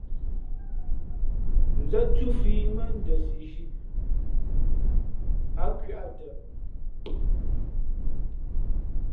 Zén thūfǐ mά Ndαsizhī, ǎ nkwē ǎ tαʼ.